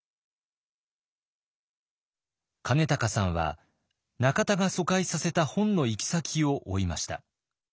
金高さんは中田が疎開させた本の行き先を追いました。